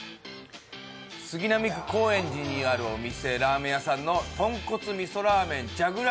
杉並区高円寺にあるラーメン屋さんの豚骨味噌ラーメンじゃぐら